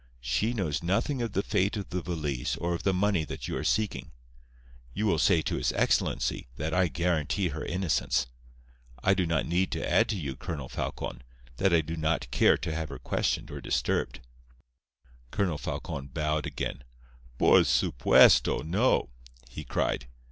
She knows nothing of the fate of the valise or of the money that you are seeking. You will say to his excellency that I guarantee her innocence. I do not need to add to you, Colonel Falcon, that I do not care to have her questioned or disturbed." Colonel Falcon bowed again. "Por supuesto, no!" he cried.